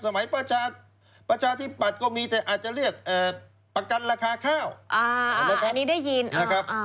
สมัยประชาธิปัตย์ก็มีแต่อาจจะเรียกประกันราคาข้าว